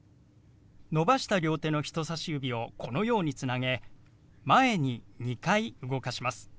伸ばした両手の人さし指をこのようにつなげ前に２回動かします。